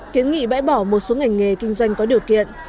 kiến nghị bãi bỏ một số ngành nghề kinh doanh có điều kiện